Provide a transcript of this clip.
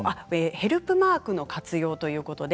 ヘルプマークの活用ということです。